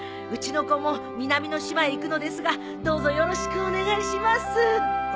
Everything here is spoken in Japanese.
うちの子も南の島へ行くのですがどうぞよろしくお願いします。